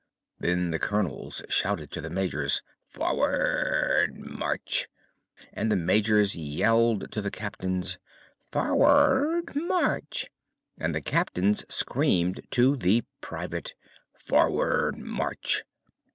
Then the Colonels shouted to the Majors: "For ward March!" and the Majors yelled to the Captains: "For ward March!" and the Captains screamed to the Private: "For ward March!"